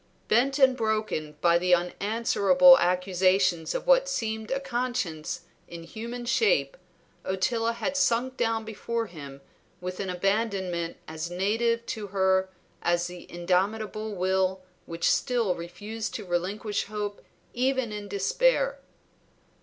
Bent and broken by the unanswerable accusations of what seemed a conscience in human shape, Ottila had sunk down before him with an abandonment as native to her as the indomitable will which still refused to relinquish hope even in despair.